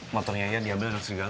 motornya iya diambil dan serigala